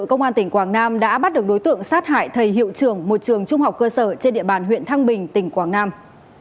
công an tỉnh quảng nam đã bắt được đối tượng sát hại thầy hiệu trưởng một trường trung học cơ sở trên địa bàn huyện thăng bình tỉnh quảng nam